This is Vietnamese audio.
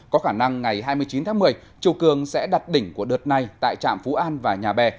có khả năng ngày hai mươi chín tháng một mươi chiều cường sẽ đặt đỉnh của đợt này tại trạm phú an và nhà bè